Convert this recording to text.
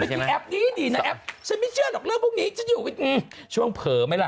พี่แอปดีนะแอปฉันไม่เชื่อหรอกเรื่องพวกนี้ฉันอยู่ช่วงเผลอไหมล่ะ